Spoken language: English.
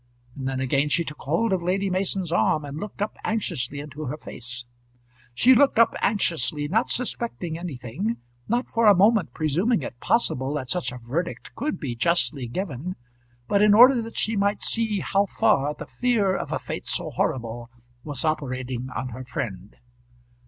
And then again she took hold of Lady Mason's arm, and looked up anxiously, into her face. She looked up anxiously, not suspecting anything, not for a moment presuming it possible that such a verdict could be justly given, but in order that she might see how far the fear of a fate so horrible was operating on her friend.